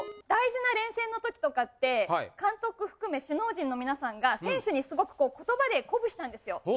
大事な連戦の時とかって監督含め首脳陣の皆さんが選手にすごくこう言葉で鼓舞したんですよ。